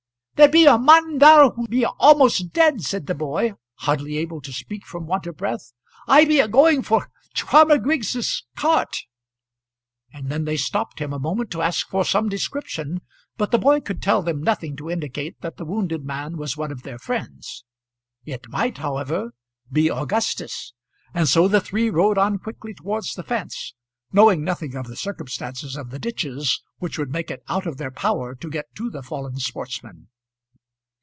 "There be a mon there who be a'most dead," said the boy, hardly able to speak from want of breath. "I be agoing for Farmer Griggs' cart." And then they stopped him a moment to ask for some description, but the boy could tell them nothing to indicate that the wounded man was one of their friends. It might however be Augustus, and so the three rode on quickly towards the fence, knowing nothing of the circumstances of the ditches which would make it out of their power to get to the fallen sportsman.